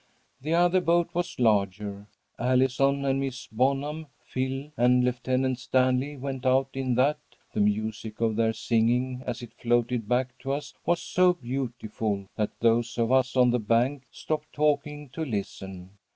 "The other boat was larger. Allison and Miss Bonham, Phil and Lieutenant Stanley went out in that. The music of their singing, as it floated back to us, was so beautiful, that those of us on the bank stopped talking to listen.